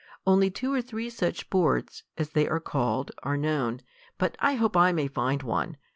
Only two or three such sports, as they are called, are known; but I hope I may find one.